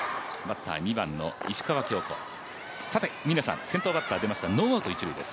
峰さん、先頭バッター出ましたノーアウト、一塁です。